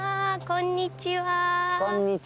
こんにちは。